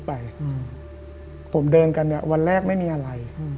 ผมเดินกันเนี่ยวันแรกไม่มีอะไร